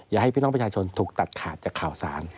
อย่าให้พี่น้องประชาชนถูกตัดขาดจากข่าวสาร